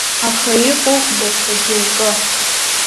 Аха иҟоуп даҽа џьоукы.